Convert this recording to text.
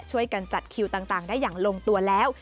ช่วยกันจัดคิวต่างได้อย่างลงตัวแล้ว